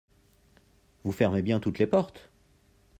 Vous fermez bien toutes les portes ?